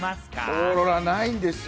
オーロラ、ないんですよ。